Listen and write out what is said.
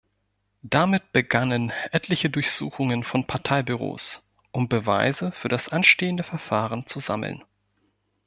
Damit begannen etliche Durchsuchungen von Parteibüros, um Beweise für das anstehende Verfahren zu sammeln.